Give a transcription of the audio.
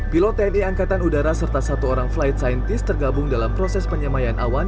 pilot tni angkatan udara serta satu orang flight scientist tergabung dalam proses penyamaian awan